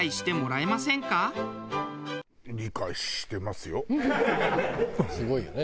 すごいよね。